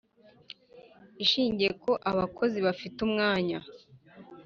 ishingiye ko abakozi bafite umwanya